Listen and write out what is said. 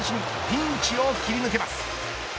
ピンチを切り抜けます。